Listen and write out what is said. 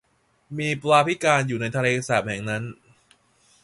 มีปลาพิการอยู่ในทะเลสาปแห่งนั้น